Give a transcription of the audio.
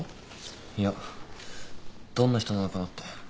いやどんな人なのかなって。